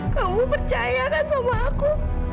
kamu percayakan sama aku